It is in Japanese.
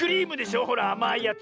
ほらあまいやつ。